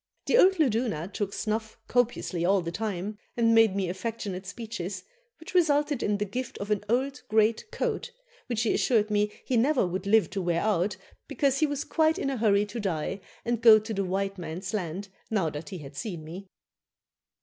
The old luduna took snuff copiously all the time, and made me affectionate speeches, which resulted in the gift of an old great coat, which he assured me he never would live to wear out, because he was quite in a hurry to die and go to the white man's land now that he had seen me."